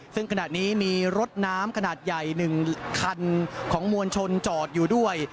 ซึ่งขณะนี้มีรถน้ำขนาดใหญ่๑คันของมวลชนจอดอยู่ด้วย